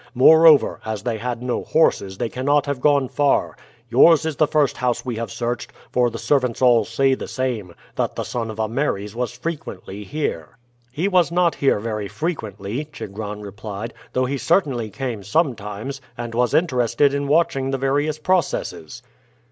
Moreover, as they had no horses they cannot have gone far. Yours is the first house we have searched, for the servants all say the same that the son of Ameres was frequently here." "He was not here very frequently," Chigron replied, "though he certainly came sometimes, and was interested in watching the various processes."